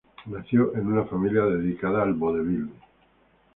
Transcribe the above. Nació en una familia dedicada al vodevil.